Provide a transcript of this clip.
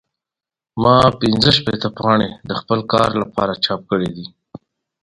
ما پنځه شپېته پاڼې د خپل کار لپاره چاپ کړې دي.